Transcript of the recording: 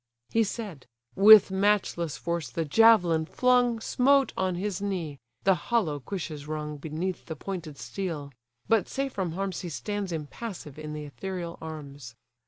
He said: with matchless force the javelin flung Smote on his knee; the hollow cuishes rung Beneath the pointed steel; but safe from harms He stands impassive in the ethereal arms.